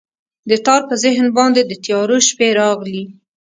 د تار په ذهن باندې، د تیارو شپې راغلي